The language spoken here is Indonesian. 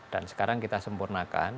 dan sekarang kita sempurnakan